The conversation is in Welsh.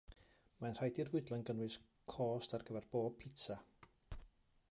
Mae'n rhaid i'r fwydlen gynnwys cost ar gyfer pob pitsa